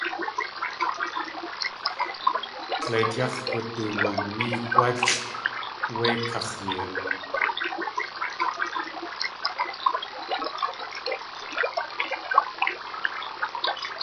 Dleit yáx̲ wuduwanéegwálʼ wé kax̲yee.